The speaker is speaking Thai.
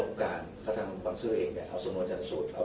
มีมัญญาฐานเชื่อมโยคไปให้เห็นว่าเด็กไม่ได้ตายด้วยตนเอง